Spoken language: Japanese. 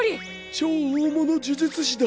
超大物呪術師だ。